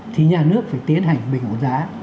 thì nhà nước phải tiến hành bình ổn giá